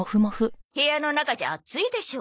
部屋の中じゃ暑いでしょ？